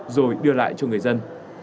rồi đưa lại cho người dân